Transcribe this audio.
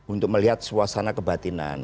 untuk melihat suasana kebatinan